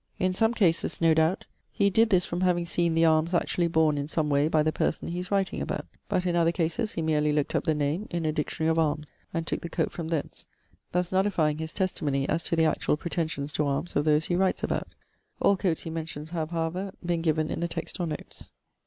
In some cases, no doubt, he did this from having seen the arms actually borne in some way by the person he is writing about; but in other cases he merely looked up the name in a 'Dictionary of Arms,' and took the coat from thence, thus nullifying his testimony as to the actual pretensions to arms of those he writes about. All coats he mentions have, however, been given in the text or notes.